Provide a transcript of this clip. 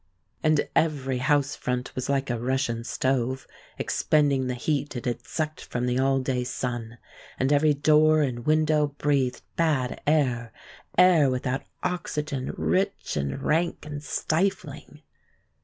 And every house front was like a Russian stove, expending the heat it had sucked from the all day sun. And every door and window breathed bad air air without oxygen, rich and rank and stifling.